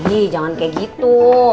ih jangan kayak gitu